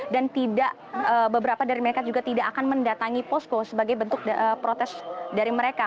dan beberapa dari mereka juga tidak akan mendatangi posko sebagai bentuk protes dari mereka